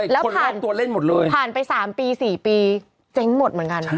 แล้วผ่านไป๓๔ปีเจ๊งท์หมดเหมือนกัน